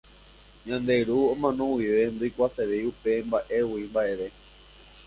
Ñande ru omano guive ndoikuaasevéi upemba'égui mba'eve.